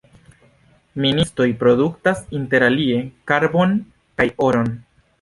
Ministoj produktas interalie karbon kaj oron.